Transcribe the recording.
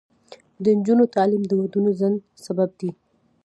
د نجونو تعلیم د ودونو ځنډ سبب دی.